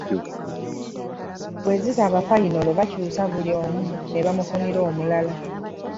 Bwe zitaba fayinolo bakyusa buli omu ne bamufunira omulala.